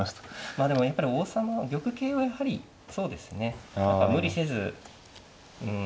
まあでもやっぱり王様玉形はやはりそうですね無理せずうん